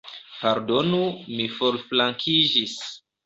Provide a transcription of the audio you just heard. Pardonu, mi forflankiĝis.